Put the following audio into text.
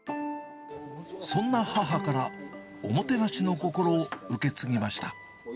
そんな母からおもてなしの心を受け継ぎました。